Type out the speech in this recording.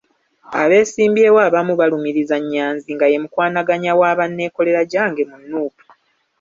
Abeesimbyewo abamu balumiriza Nyanzi nga ye mukwanaganya wa banneekolera gyange mu Nuupu.